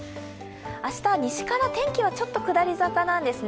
明日は西から天気はちょっと下り坂なんですね。